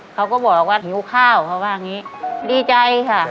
เขาก็บอกว่าหิวข้าวเขาว่าอย่างนี้ดีใจค่ะ